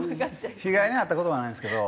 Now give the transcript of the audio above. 被害に遭った事はないんですけど。